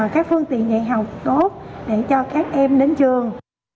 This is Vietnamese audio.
các phương tiện dạy học tốt để cho các em đến trường